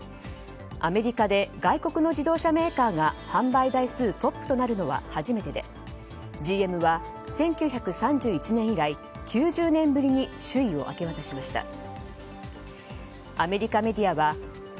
アメリカで外国の自動車メーカーが販売台数トップとなるのは初めてでＧＭは１９３１年以来９０年ぶりに首位を明け渡しました。